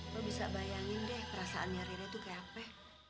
lo bisa bayangin deh perasaannya rere tuh kaya apa